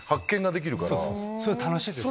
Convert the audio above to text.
それが楽しいですよね。